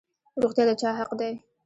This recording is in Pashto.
روغتیا د چا حق دی؟